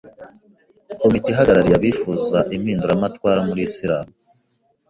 komite ihagarariye abifuza impinduramatwara muri Islam,